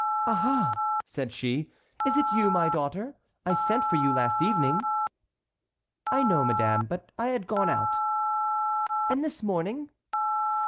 "Ah! ah!" said she, "is it you, my daughter? I sent for you last evening." "I know it, madame, but I had gone out." "And this morning?"